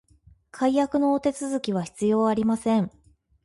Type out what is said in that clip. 解約のお手続きは必要ありません